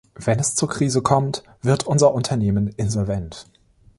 Wenn es zur Krise kommt, wird unser Unternehmen insolvent.